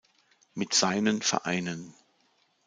Mit seinen Vereinen